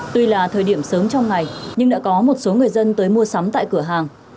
tuy là thời điểm sớm trong ngày nhưng đã có một số người dân tới mua sắm tại cửa hàng